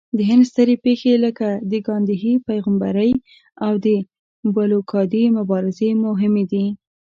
د هند سترې پېښې لکه د ګاندهي پیغمبرۍ او د بلوکادي مبارزې مهمې دي.